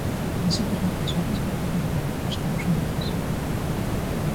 Iso permite ás veces compartir políticas conxuntas.